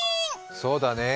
そうだね。